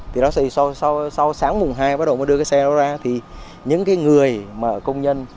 thì nó sẽ sau sáng mùng hai bắt đầu mới đưa cái xe đó ra thì những cái người mà công nhân